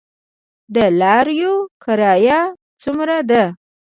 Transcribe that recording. د لاریو کرایه څومره ده؟